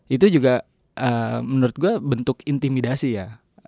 itu juga menurut gue bentuk intimidasi ya